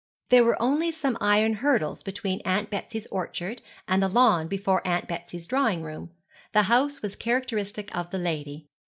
There were only some iron hurdles between Aunt Betsy's orchard and the lawn before Aunt Betsy's drawing room. The house was characteristic of the lady.